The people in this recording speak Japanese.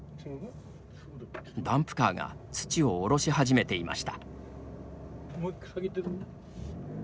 ダンプカーが土を降ろし始めていました。